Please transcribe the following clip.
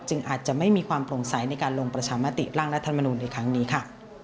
อาจจะไม่มีความโปร่งใสในการลงประชามติร่างรัฐมนุนในครั้งนี้ค่ะ